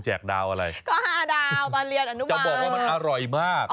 จะบอกว่ามันอร่อยมาก